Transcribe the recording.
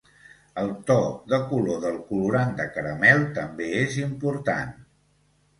El to de color del colorant de caramel també és important.